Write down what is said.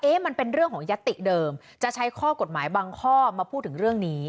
มันเป็นเรื่องของยัตติเดิมจะใช้ข้อกฎหมายบางข้อมาพูดถึงเรื่องนี้